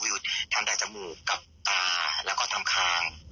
หยุดทำแต่จมูกกับตาแล้วก็ทำคาง